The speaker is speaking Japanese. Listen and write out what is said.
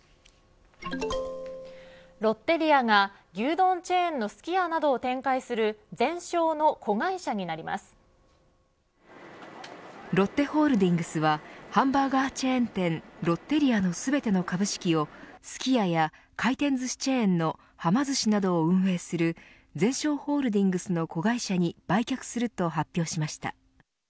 ロッテリアが牛丼チェーンのすき家などを展開するロッテホールディングスはハンバーガーチェーン店ロッテリアの全ての株式をすき家や回転ずしチェーンのはま寿司などを運営するゼンショーホールディングスの子会社に売却すると発表しました。